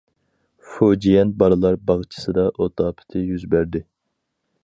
فۇجيەن بالىلار باغچىسىدا ئوت ئاپىتى يۈز بەردى.